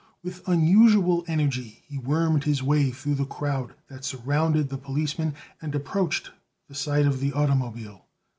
With unusual energy he wormed his way through the crowd that surrounded the policeman and approached the side of the automobile.